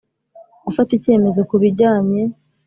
Gufata icyemezo ku bijyanye